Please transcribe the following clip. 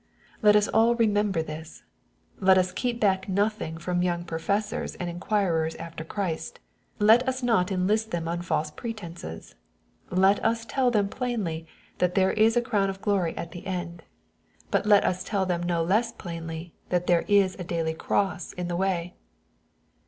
Let us all remember this. Let us keep back nothing from young professors and inquirers after Christ. Let us not enlist them on false pretences. Let us tell them plainly that there is a crown of glory at the end. But MATTHEW, OHAP. Vin. 79 let US tell them no less plainly, that there is a daily cross in the way.